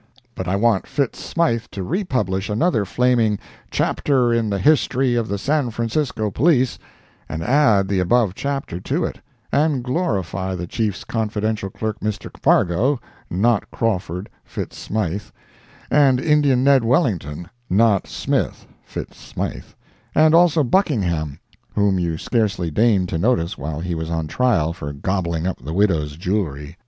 But I want Fitz Smythe to re publish another flaming "chapter in the history of the San Francisco Police," and add the above chapter to it, and glorify the Chief's confidential clerk Mr. Fargo (not Crawford, Fitz Smythe,) and Indian Ned Wellington (not "Smith," Fitz Smythe,) and also Buckingham, whom you scarcely deigned to notice while he was on trial for gobbling up the widow's jewelry.